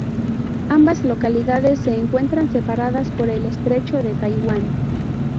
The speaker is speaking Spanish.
Ambas localidades se encuentran separadas por el estrecho de Taiwán.